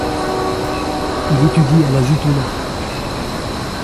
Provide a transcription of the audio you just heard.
Il étudie à la Zitouna.